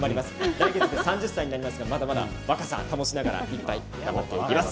来月で３０歳になりますがまだまだ若さを保ちながら元気いっぱい頑張っていきます。